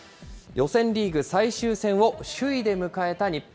予選リーグ最終戦を首位で迎えた日本。